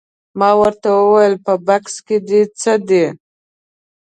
ما ورته وویل په بکس کې دې څه دي؟